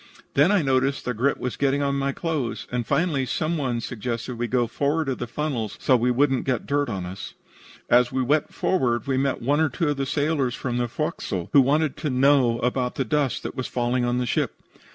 Then I noticed that grit was getting on my clothes, and finally some one suggested that we go forward of the funnels, so we would not get dirt on us. As we went forward we met one or two of the sailors from the forecastle, who wanted to know about the dust that was falling on the ship.